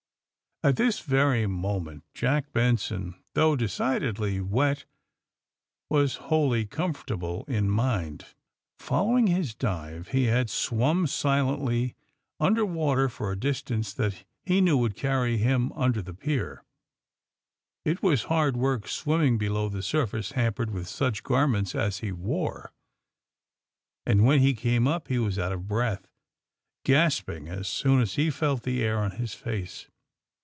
At this very moment Jack Benson, though de cidedly wet, was wholly comfortable in mind. Following his dive he had swum silently un der water for a distance that he knew would carry him under the pier. It was hard work swimming below the surface hampered with such garments as he wore, and when he came up he was out of breath, gasping as soon as he felt the air on his face.